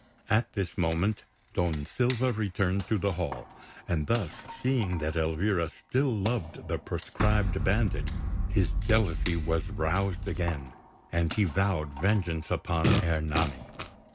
At this moment Don Silva returned to the hall; and thus seeing that Elvira still loved the proscribed bandit, his jealousy was roused again, and he vowed vengeance upon Ernani.